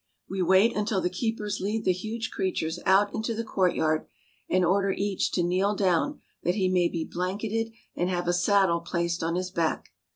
We wait until the keepers lead the huge creatures out into the courtyard, and order each to kneel down that he may be blanketed and have a saddle placed on his back.